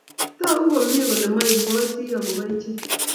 Togu komye kole maibwotitoi akobo ichek